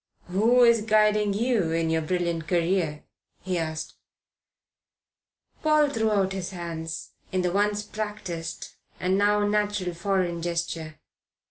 "Who is guiding you in your brilliant career?" he asked. Paul threw out his hands, in the once practised and now natural foreign gesture.